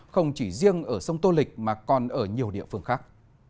không chỉ riêng ở sông tô lịch mà còn ở nhiều địa phương khác